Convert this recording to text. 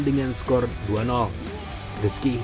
tim asuhan dukun